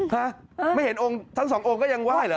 ฮะไม่เห็นองค์ทั้งสององค์ก็ยังไหว้เหรอ